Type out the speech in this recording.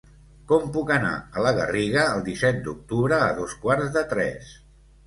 Com puc anar a la Garriga el disset d'octubre a dos quarts de tres?